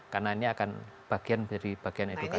karena ini akan bagian dari bagian edukasi masyarakat